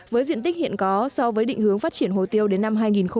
với diện tích hiện có so với định hướng phát triển hồ tiêu đến năm hai nghìn hai mươi